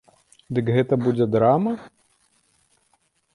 Дык гэта будзе драма?